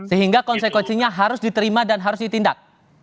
sehingga konsekuensinya harus diterima dan harus ditindak